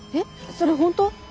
それ本当？